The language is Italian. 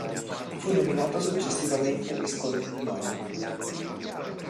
Fu nominato successivamente Visconte di Mayo.